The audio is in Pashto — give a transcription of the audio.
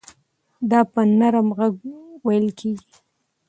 دا په نرم غږ وېل کېږي.